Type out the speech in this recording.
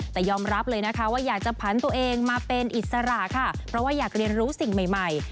แต่ยอมรับเลยนะคะว่าอยากจะผันตัวเองมาเป็นอิสระค่ะเพราะว่าอยากเรียนรู้สิ่งใหม่